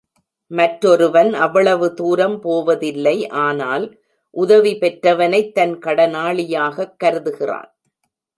மற்றொருவன் அவ்வளவு தூரம் போவதில்லை ஆனால், உதவி பெற்றவனைத் தன் கடனாளியாகக் கருதுகிறான்.